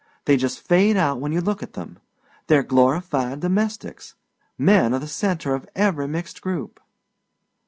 They just fade out when you look at them. They're glorified domestics. Men are the centre of every mixed group."